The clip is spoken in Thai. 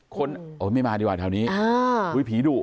คนโอ้ยไม่มาดีกว่าแถวนี้อุ้ยผีดุ